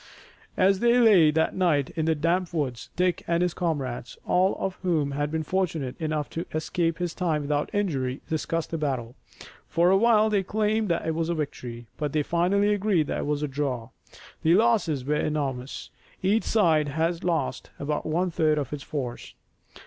As they lay that night in the damp woods, Dick and his comrades, all of whom had been fortunate enough to escape this time without injury, discussed the battle. For a while they claimed that it was a victory, but they finally agreed that it was a draw. The losses were enormous. Each side had lost about one third of its force.